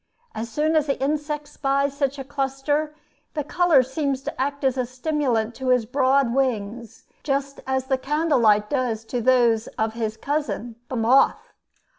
As soon as the insect spies such a cluster, the color seems to act as a stimulant to his broad wings, just as the candle light does to those of his cousin the moth.